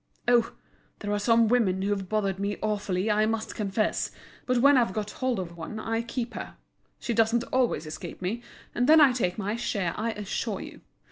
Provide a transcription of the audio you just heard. "Oh! there are some women who've bothered me awfully, I must confess. But when I've got hold of one, I keep her. She doesn't always escape me, and then I take my share, I assure you.